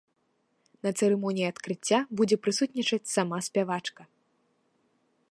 На цырымоніі адкрыцця будзе прысутнічаць сама спявачка.